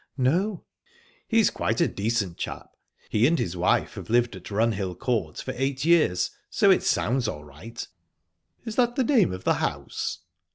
"No." "He is quite a decent chap. He and his wife have lived at Runhill Court for eight years, so it sounds all right." "Is that the name of the house?"